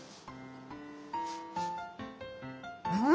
うん！